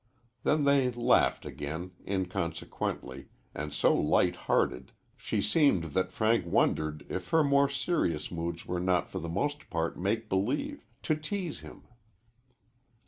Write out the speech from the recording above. Then they laughed again, inconsequently, and so light hearted she seemed that Frank wondered if her more serious moods were not for the most part make believe, to tease him.